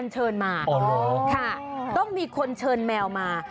ใช่ค่ะ